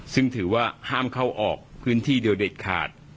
ซึ่งถือว่าห้ามเข้าออกพื้นที่เดียวเด็ดขาด